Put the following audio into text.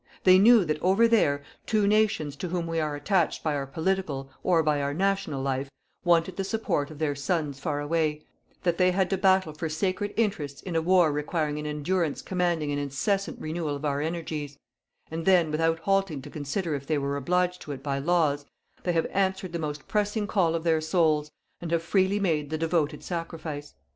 They knew that, over there, two nations to whom we are attached by our political, or by our national, life, wanted the support of their sons far away, that they had to battle for sacred interests in a war requiring an endurance commanding an incessant renewal of our energies; and then, without halting to consider if they were obliged to it by laws, they have answered the most pressing call of their souls, and have freely made the devoted sacrifice.